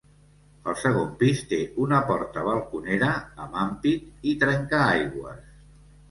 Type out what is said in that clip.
El segon pis té una porta balconera amb ampit i trenca-aigües.